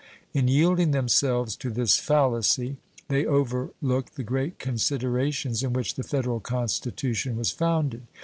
In yielding themselves to this fallacy they overlook the great considerations in which the Federal Constitution was founded.